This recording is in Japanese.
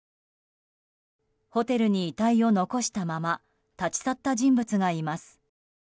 ホテルに遺体を残したまま立ち去った人物がいます。